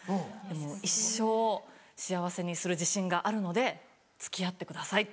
一生幸せにする自信があるので付き合ってください」って。